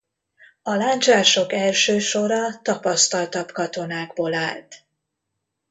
A lándzsások első sora tapasztaltabb katonákból állt.